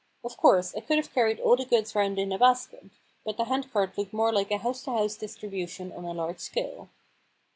Of course, I could have carried all the goods round in a basket, but the handcart looked more like a house to house distribution on a large scale.